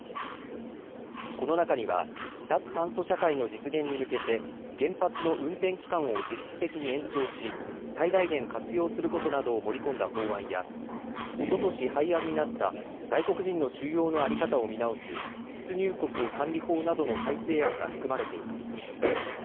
この中には脱炭素社会の実現に向けて原発の運転期間を実質的に延長し最大限活用することなどを盛り込んだ法案やおととし廃案になった外国人の収容の在り方を見直す出入国管理法などの改正案が含まれています。